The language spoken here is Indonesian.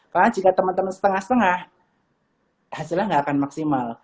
karena jika teman teman setengah setengah hasilnya nggak akan maksimal